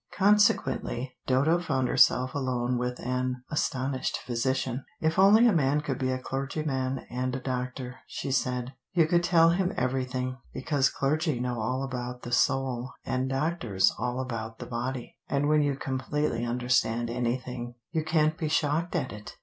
Consequently Dodo found herself alone with an astonished physician. "If only a man could be a clergyman and a doctor," she said, "you could tell him everything, because clergy know all about the soul and doctors all about the body, and when you completely understand anything, you can't be shocked at it.